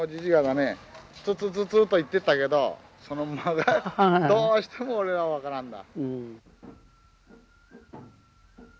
ツツツツッと言ってったけどその間がどうしても俺は分からんだ。